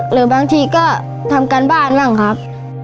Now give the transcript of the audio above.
หรือบางทีก็ทำการบ้านบ้างครับ